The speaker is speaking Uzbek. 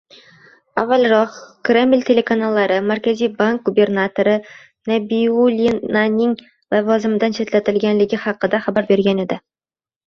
Avvalroq, Kreml telekanallari Markaziy bank gubernatori Nabiullinaning lavozimidan chetlatilgani haqida xabar bergan edi